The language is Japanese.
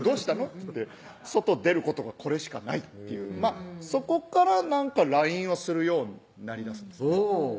っつって「外出ることがこれしかない」っていうそこからなんかＬＩＮＥをするようになりだすんです